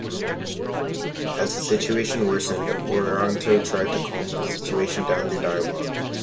As the situation worsened, Wiranto tried to calm the situation down through dialogue.